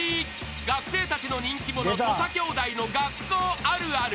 ［学生たちの人気者土佐兄弟の学校あるある。